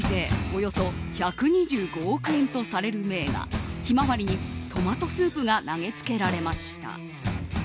およそ１２５億円とされる名画「ひまわり」にトマトスープが投げつけられました。